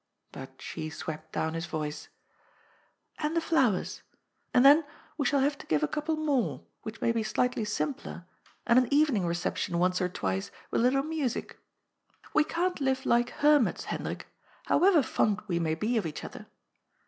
But she swept down his voice, " And the flowers. And, then, we shall have to give a couple more, which may be slightly simpler, and an evening reception once or twice with a little music. We can't live like hermits, Hendrik, however fond we may be of each other.